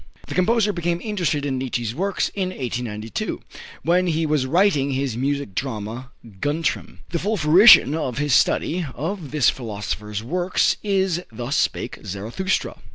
The composer became interested in Nietzsche's works in 1892, when he was writing his music drama, "Guntram." The full fruition of his study of this philosopher's works is "Thus Spake Zarathustra."